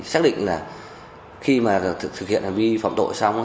xác định là khi mà thực hiện hành vi phạm tội xong